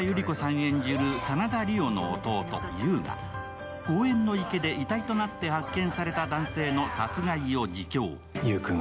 演じる真田梨央の弟・優が公園の池で遺体となって発見された男性の殺害を自供。